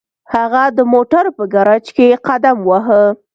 هغه د موټرو په ګراج کې قدم واهه